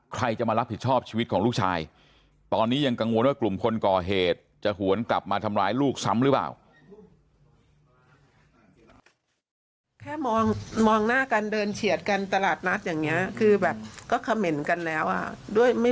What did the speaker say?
ใครจะมารับผิดชอบชีวิตของลูกชายตอนนี้ยังกังวลว่ากลุ่มคนก่อเหตุจะหวนกลับมาทำร้ายลูกซ้ำหรือเปล่า